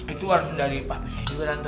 itu harusnya dari pabrik juga tante